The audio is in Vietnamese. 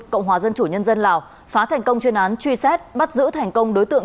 cộng hòa dân chủ nhân dân lào phá thành công chuyên án truy xét bắt giữ thành công đối tượng